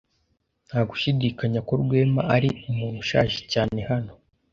Nta gushidikanya ko Rwema ari umuntu ushaje cyane hano.